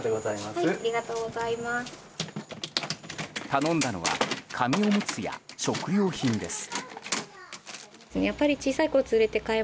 頼んだのは紙おむつや食料品です。